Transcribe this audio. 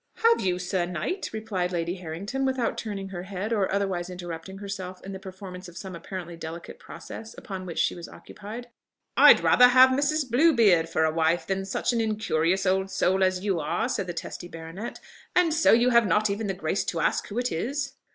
"Have you, Sir Knight?" replied Lady Harrington, without turning her head, or otherwise interrupting herself in the performance of some apparently delicate process upon which she was occupied. "I'd rather have Mrs. Bluebeard for a wife than such an incurious old soul as you are!" said the testy baronet. "And so you have not even the grace to ask who it is?"